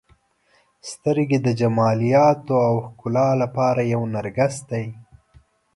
• سترګې د جمالیاتو او ښکلا لپاره یو نرګس دی.